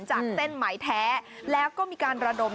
จากเส้นไหมแท้แล้วก็มีการระดม